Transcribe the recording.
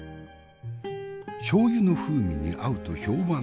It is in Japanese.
しょうゆの風味に合うと評判のワイン。